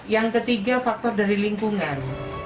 yang ketiga faktor dari lingkungan